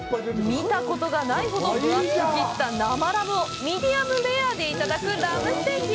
見たことがないほど分厚く切った生ラムをミディアムレアでいただくラムステーキ。